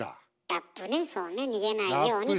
ラップねそうね逃げないようにという。